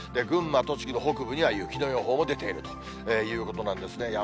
群馬、栃木の北部には雪の予報も出ているということなんですね。